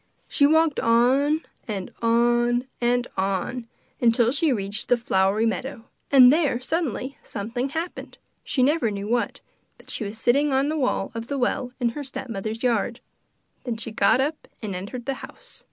She walked on and on and on, till she reached the flowery meadow, and there, suddenly, something happened, she never knew what, but she was sitting on the wall of the well in her stepmother's yard. Then she got up and entered the house.